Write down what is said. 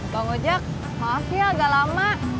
bang ojek maaf ya agak lama